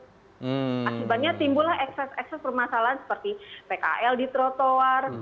akibatnya timbulah ekses ekses permasalahan seperti pkl di trotoar